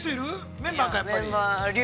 メンバーか、やっぱり。